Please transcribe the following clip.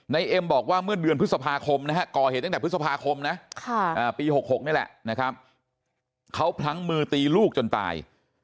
ในเอ็มบอกว่าเมื่อเดือนพฤษภาคมเป็นเขาพลังมือตีลูกจนตาย